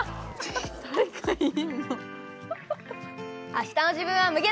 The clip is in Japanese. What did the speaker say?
あしたの自分は無限大！